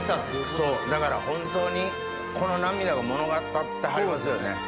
そうだから本当にこの涙が物語ってはりますよね。